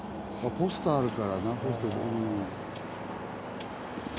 ポスターあるからなうん。